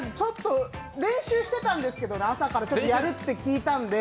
練習してたんですけどね、朝から、やるって聞いてたので。